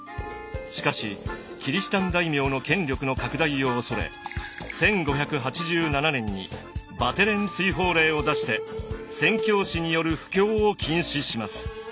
しかしキリシタン大名の権力の拡大を恐れ１５８７年にバテレン追放令を出して宣教師による布教を禁止します。